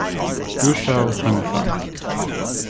Guizhou Hengfeng